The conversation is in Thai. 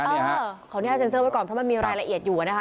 มีเกิดเหตุนะฮะเออของที่อาจารย์เซิร์ฟก่อนเพราะมันมีรายละเอียดอยู่นะฮะ